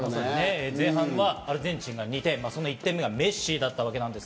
前半はアルゼンチンが２点、１点目がメッシだったわけなんです。